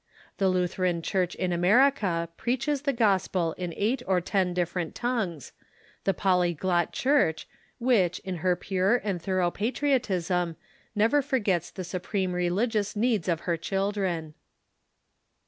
The Lutheran Church in America preaches the gospel in eight or ten different tongues — the polyglot Church, which, in her pure and thorough patriotism, never forgets the supreme religious needs of her children.